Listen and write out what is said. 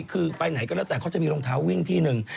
คือไปไหนก็แล้วแต่เขาจะมีรองเท้าวิ่งที่หนึ่ง